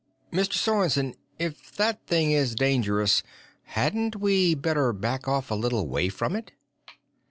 Mr. Sorensen, if that thing is dangerous, hadn't we better back off a little way from it?"